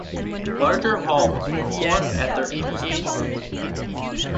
Larger halls were formed at their intersections.